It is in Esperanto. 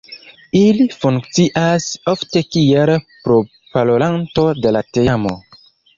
Ili funkcias ofte kiel proparolanto de la teamo.